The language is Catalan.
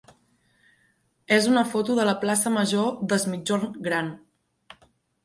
és una foto de la plaça major d'Es Migjorn Gran.